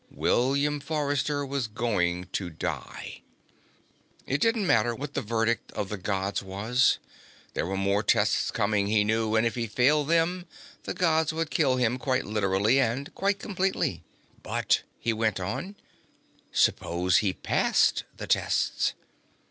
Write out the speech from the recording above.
William Forrester was going to die. It didn't matter what the verdict of the Gods was. There were more tests coming, he knew, and if he failed them the Gods would kill him quite literally and quite completely. But, he went on, suppose he passed the tests.